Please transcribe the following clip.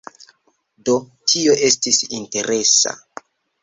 Do, tio estis interesa.